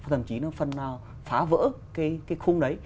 thậm chí nó phần nào phá vỡ cái khung đấy